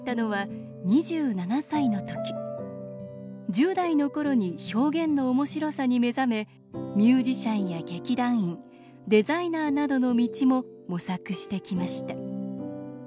１０代のころに表現のおもしろさに目覚めミュージシャンや劇団員デザイナーなどの道も模索してきました。